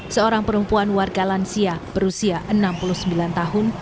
seorang perempuan warga lansia berusia enam puluh sembilan tahun